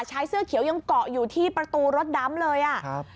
ชายเสื้อเขียวยังเกาะอยู่ที่ประตูรถดำเลยอ่ะครับ